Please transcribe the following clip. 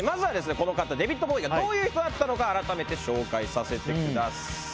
この方デヴィッド・ボウイがどういう人だったのか改めて紹介させてください。